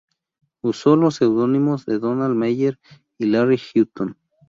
Usó los seudónimos de Donald Meyer y Larry Hutton.